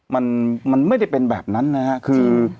มันมันไม่ได้เป็นแบบนั้นนะฮะคือ